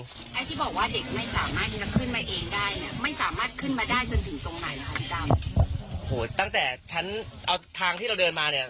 ไอ้ที่บอกว่าเด็กไม่สามารถที่จะขึ้นมาเองได้เนี่ยไม่สามารถขึ้นมาได้จนถึงตรงไหนนะคะคุณดำโหตั้งแต่ชั้นเอาทางที่เราเดินมาเนี่ย